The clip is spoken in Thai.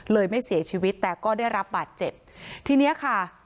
ไม่เสียชีวิตแต่ก็ได้รับบาดเจ็บทีเนี้ยค่ะ